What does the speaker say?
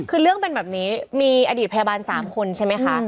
คือเรื่องเป็นแบบนี้มีอดีตพยาบาล๓คนใช่ไหมคะ